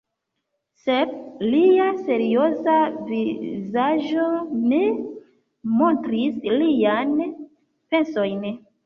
Sed lia serioza vizaĝo ne montris liajn pensojn.